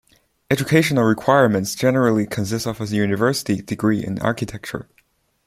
Educational requirements generally consist of a university degree in architecture.